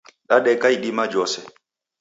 Dadeka idima jhose.